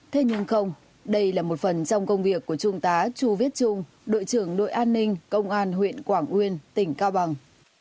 thế nhưng không đây là một phần trong công việc của trung tá chu viết trung đội trưởng đội an ninh công an huyện quảng uyên tỉnh cao bằng